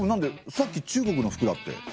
さっき中国の服だって。